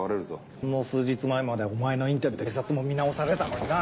ほんの数日前までお前のインタビューで警察も見直されてたのにな。